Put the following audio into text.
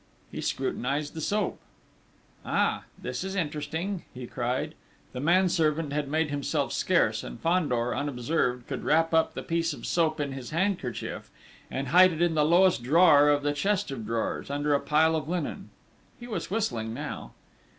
He scrutinised the soap. "Ah! This is interesting!" he cried. The manservant had made himself scarce; and Fandor, unobserved, could wrap up the piece of soap in his handkerchief and hide it in the lowest drawer of the chest of drawers, under a pile of linen. He was whistling now.